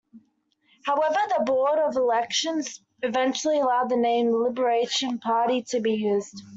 However, the Board of Elections eventually allowed the name "Libertarian Party" to be used.